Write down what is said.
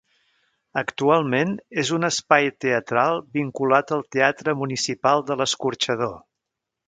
Actualment és un espai teatral vinculat al Teatre Municipal de l'Escorxador.